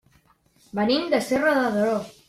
Venim de Serra de Daró.